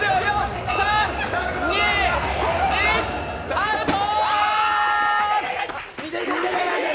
アウトー！